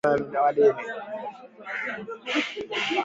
eneo ambalo lina utajiri mkubwa wa madini